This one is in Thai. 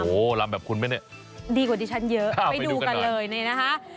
โอ้โหลำแบบคุณไหมเนี่ยดีกว่าดิฉันเยอะไปดูกันเลยนี่นะคะ